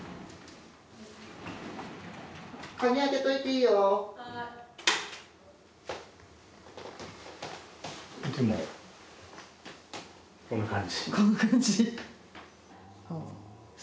いつもこんな感じ？